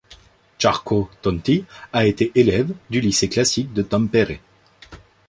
Jarkko Tontti a été élève du lycée classique de Tampere.